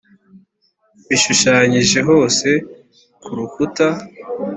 Bishushanyije hose ku rukuta .